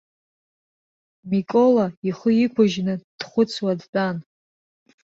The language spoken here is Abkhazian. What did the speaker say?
Микола ихы иқәыжьны дхәыцуа дтәан.